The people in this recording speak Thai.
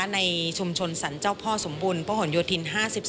ในชุมชนสรรเจ้าพ่อสมบุลพระห่วงยดทิน๕๔